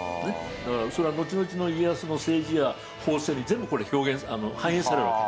だからそれはのちのちの家康の政治や法政に全部反映されるわけ。